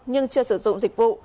nhưng chưa sử dụng dịch vụ